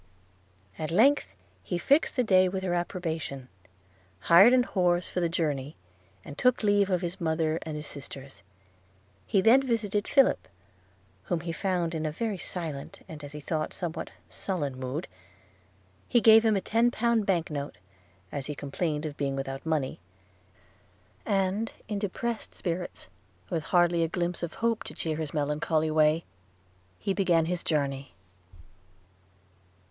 At length he fixed the day with her approbation, hired an horse for the journey, and took leave of his mother and his sisters. He then visited Philip, whom he found in a very silent, and, as he thought, somewhat sullen mood. He gave him a ten pound bank note, as he complained of being without money; and, in depressed spirits, with hardly a glimpse of hope to cheer his melancholy way, he began his journey.